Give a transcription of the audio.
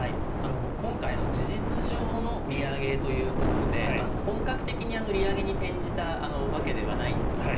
今回事実上の利上げということで本格的に利上げに転じたわけではないんですよね。